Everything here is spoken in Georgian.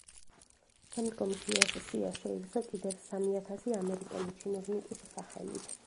შემდგომში ეს სია შეივსო კიდევ სამი ათასი ამერიკელი ჩინოვნიკის სახელით.